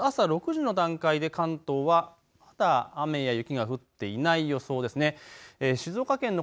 あす朝６時の段階で関東はまだ雨や雪が降っていない予想ですね。